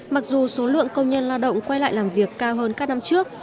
mặc dù số lượng công nhân lao động quay lại làm việc cao hơn các năm trước